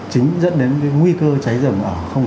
chính dẫn đến cái nguy cơ cháy rừng